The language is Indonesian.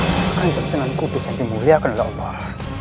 makan sesenang kudus yang dimuliakan oleh allah